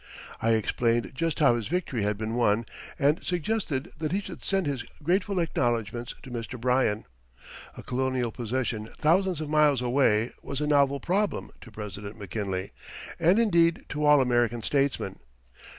I explained just how his victory had been won and suggested that he should send his grateful acknowledgments to Mr. Bryan. A Colonial possession thousands of miles away was a novel problem to President McKinley, and indeed to all American statesmen.